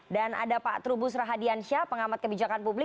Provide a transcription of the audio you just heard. dan ada pak trubus rahadiansyah pengamat kebijakan publik